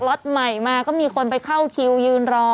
ล็อตใหม่มาก็มีคนไปเข้าคิวยืนรอ